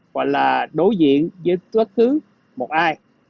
hoặc là đối diện với bất cứ một ai